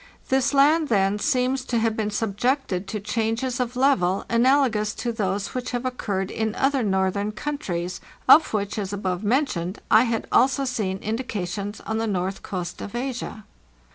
This land, then, seems to have been subjected to changes of level analogous to those which have occurred in other northern countries, of which, as above mentioned, I had also seen indica tions on the north coast of Asia.